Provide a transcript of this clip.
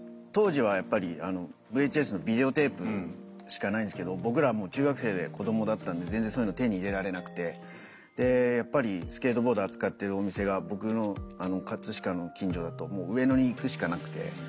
当時はやっぱりＶＨＳのビデオテープしかないんですけど僕らは中学生で子どもだったんで全然そういうの手に入れられなくてでやっぱりスケートボード扱ってるお店が僕の葛飾の近所だともう上野に行くしかなくて。